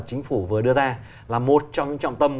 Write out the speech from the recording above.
chính phủ vừa đưa ra là một trong những trọng tâm